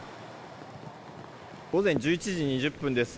午前１１時２０分です。